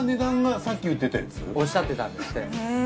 おっしゃってたんですって。